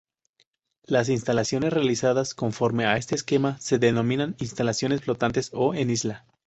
Las instalaciones realizadas conforme a este esquema se denominan instalaciones flotantes o en isla.